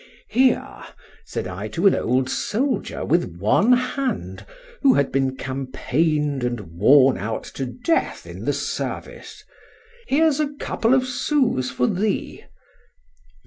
—Here! said I to an old soldier with one hand, who had been campaigned and worn out to death in the service—here's a couple of sous for thee.